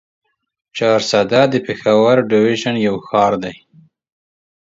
چارسده د پېښور ډويژن يو ښار دی.